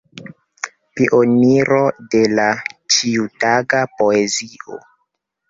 Pioniro de la ĉiutaga poezio.